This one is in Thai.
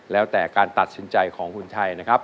แล้วแต่การตัดสินใจของคุณชัยนะครับ